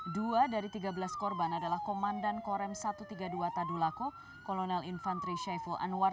dua dari tiga belas korban adalah komandan korem satu ratus tiga puluh dua tadulako kolonel infantri syaiful anwar